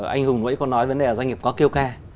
anh hùng ấy có nói vấn đề là doanh nghiệp có kêu ca